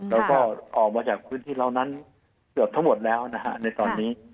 แล้วก็ออกมาจากพื้นที่เหล่านั้นเกือบทั้งหมดแล้วนะฮะในตอนนี้